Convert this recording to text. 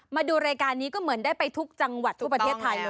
มาดูรายการนี้ก็เหมือนได้ไปทุกจังหวัดทั่วประเทศไทยเลย